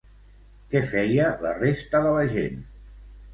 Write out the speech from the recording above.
Què feia la resta de la gent?